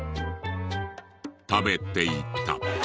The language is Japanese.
食べていた。